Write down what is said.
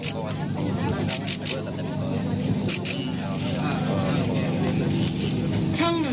ช่องหนุ่ม๔